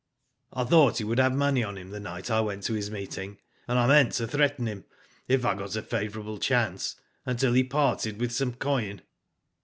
I thought he would have money on him the night I went to his meeting, and I meant to threaten him, if I got a favourable chance, until he parted with some coin.